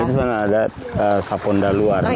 di sana ada saponda luar